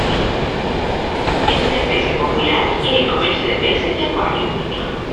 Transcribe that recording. Es una especie popular en el comercio de peces de acuario.